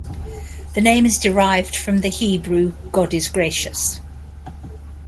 The name is derived from the Hebrew "God is gracious".